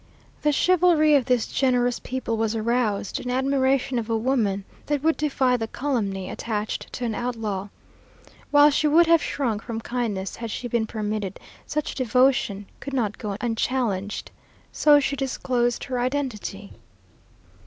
The chivalry of this generous people was aroused in admiration of a woman that would defy the calumny attached to an outlaw. While she would have shrunk from kindness, had she been permitted, such devotion could not go unchallenged. So she disclosed her identity.